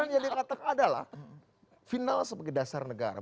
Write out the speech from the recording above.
yang dikatakan adalah final sebagai dasar negara